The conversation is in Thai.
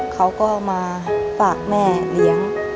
เขาก็มาฝากแม่เลี้ยง